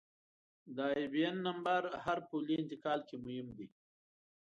د آیبياېن نمبر هر پولي انتقال کې مهم دی.